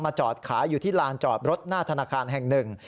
จอดขายอยู่ที่ลานจอดรถหน้าธนาคารแห่งหนึ่ง